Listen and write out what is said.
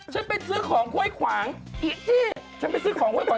ฉันไปซื้อของห้วยขวางอิจี้ฉันไปซื้อของไว้ก่อน